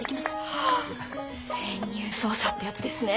ああ潜入捜査ってやつですね。